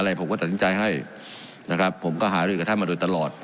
ผมก็ตัดสินใจให้นะครับผมก็หารือกับท่านมาโดยตลอด